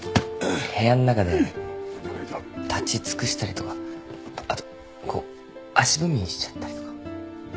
部屋ん中で立ち尽くしたりとかあとこう足踏みしちゃったりとか。